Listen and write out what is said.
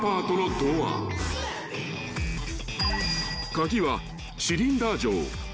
［鍵はシリンダー錠］